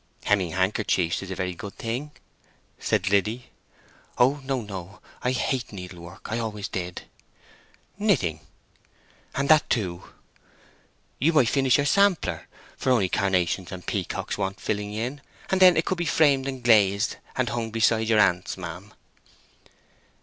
"Hemming handkerchiefs is a very good thing," said Liddy. "Oh no, no! I hate needlework—I always did." "Knitting?" "And that, too." "You might finish your sampler. Only the carnations and peacocks want filling in; and then it could be framed and glazed, and hung beside your aunt's ma'am."